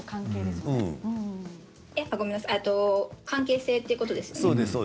関係性ということですか。